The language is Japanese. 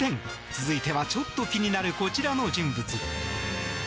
続いてはちょっと気になるこちらの人物。